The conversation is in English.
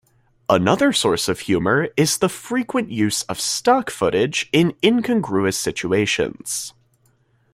Another source of humour is the frequent use of stock footage in incongruous situations.